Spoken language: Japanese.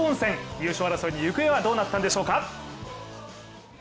優勝争いの行方はどうなったんでしょうか。